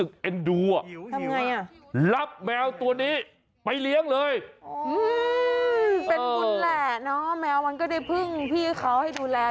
เป็นบุญแหละเนาะแมวมันก็ได้พึ่งพี่เขาให้ดูแล